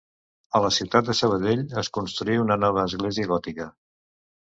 A la ciutat de Sabadell es construí una nova església gòtica.